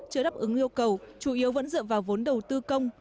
chưa đáp ứng yêu cầu chủ yếu vẫn dựa vào vốn đầu tư công